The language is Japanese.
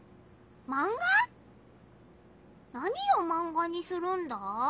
何をマンガにするんだ？